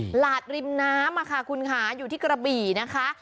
หลาดริมน้ำค่ะคุณค่ะอยู่ที่กระบี่นะคะ